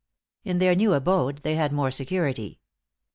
In their new abode they had more security.